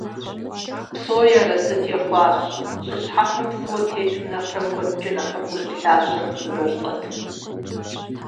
Псори арэзы техъуащ, ЩӀы щхьэфэм псыуэ тетым нэхърэ куэдкӀэ нэхъыбэу щӀы лъабжьэм псы зэрыщӀэтым.